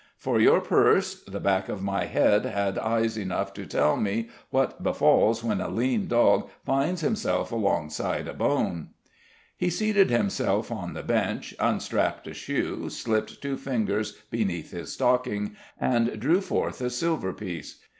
For your purse, the back of my head had eyes enough to tell me what befalls when a lean dog finds himself alongside a bone." He seated himself on the bench, unstrapped a shoe, slipped two fingers beneath his stocking, and drew forth a silver piece.